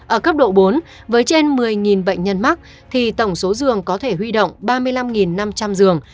ở cấp độ bốn với trên một mươi bệnh nhân mắc tổng số dường có thể huy động ba mươi năm năm trăm linh dường